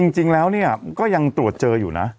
จริงแล้วเนี่ยก็ยังตรวจเจออยู่นะ